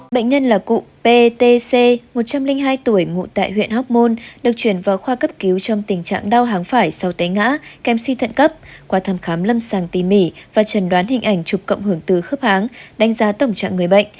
bệnh nhân là cụ petc một trăm linh hai tuổi ngụ tại huyện hóc môn được chuyển vào khoa cấp cứu trong tình trạng đau hán phải sau té ngã kèm suy thận cấp qua thăm khám lâm sàng tỉ mỉ và trần đoán hình ảnh chụp cộng hưởng từ khớp háng đánh giá tổng trạng người bệnh